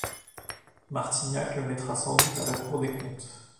Martignac le mettra sans doute à la cour des comptes.